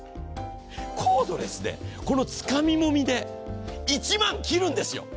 コードレスでつかみもみで１万切るんですよ。